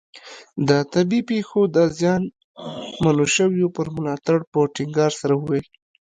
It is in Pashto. د طبیعي پېښو د زیانمنو شویو پر ملاتړ په ټینګار سره وویل.